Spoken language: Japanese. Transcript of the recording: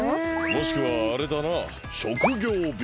もしくはあれだな職業病。